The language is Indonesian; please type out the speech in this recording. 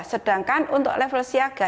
sedangkan untuk level siaga